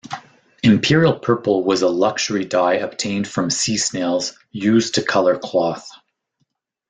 Imperial purple was a luxury dye obtained from sea snails, used to colour cloth.